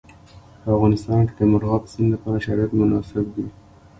په افغانستان کې د مورغاب سیند لپاره شرایط مناسب دي.